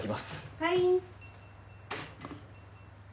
はい。